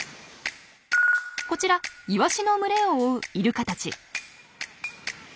こちらイワシの群れを追うイルカたち。